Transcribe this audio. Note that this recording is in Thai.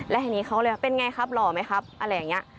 แล้วทีนี้เขาเลยว่าเป็นไงครับหล่อไหมครับอะไรอย่างนี้